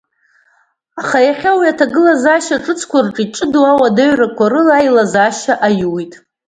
Аха иахьа уи аҭагылазаашьа ҿыцқәа рҿы иҷыдоу ауадаҩрақәа рыла аилазаашьа аиуит.